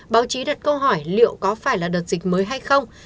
báo chí đặt câu hỏi liệu có phải là đợt dịch mới hay không